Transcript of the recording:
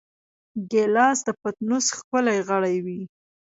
ګیلاس د پتنوس ښکلی غړی وي.